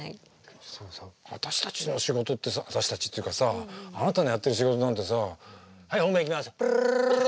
私たちの仕事ってさ私たちっていうかさあなたのやってる仕事なんてさはい本番いきますプルルル。